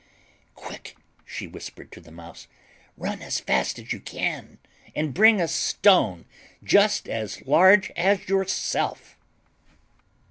"Quick," she whispered to the Mouse, "run as fast as you can and bring back a stone just as large as yourself."